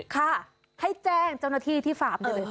ค่ะให้แจ้งเจ้าหน้าที่ที่ฟาร์มเลย